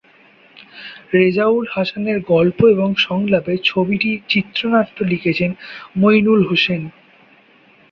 রেজাউল হাসানের গল্প ও সংলাপে ছবিটির চিত্রনাট্য লিখেছেন মইনুল হোসেন।